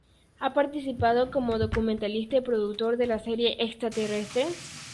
Ha participado como documentalista y productor de la serie "¿Extraterrestres?